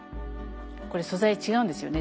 これ素材違うんですよね